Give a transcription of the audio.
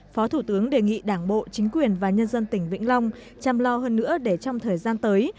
phó thủ tướng đề nghị đảng bộ chính quyền và nhân dân tỉnh vĩnh long chăm lo hơn nữa để trong thời gian tới